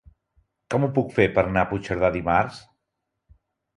Com ho puc fer per anar a Puigcerdà dimarts?